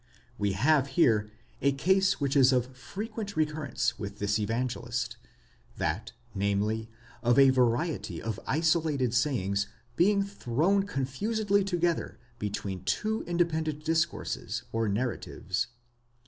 We have here a case which is of frequent recurrence with this Evangelist ; that, namely, of a variety of isolated sayings being thrown confusedly together between two independent discourses or narratives.